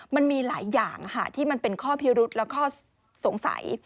มันมีหลายอย่างที่มันเป็นข้อพิรุษและข้อสงสัย